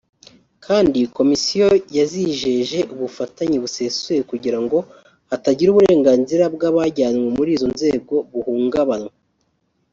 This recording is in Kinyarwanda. kandi Komisiyo yazijeje ubufatanye busesuye kugira ngo hatagira uburenganzira bw’abajyanywe muri izo nzego buhungabanywa